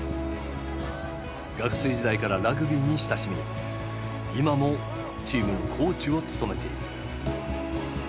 学生時代からラグビーに親しみ今もチームのコーチを務めている。